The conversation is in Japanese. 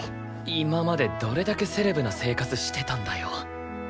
今までどれだけセレブな生活してたんだよ。